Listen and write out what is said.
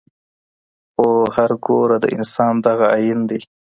خو هرګوره د انسان دغه آیین دی